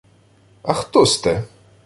— А хто сте?